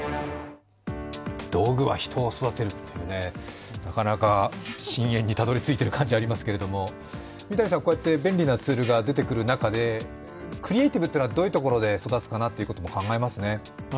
道具は人を育てる、なかなか深淵にたどり着いている感じがありますけれども、三谷さん、こうやって便利なツールが出てくる中で、クリエーティブはどういうところで育つかなと考えますね。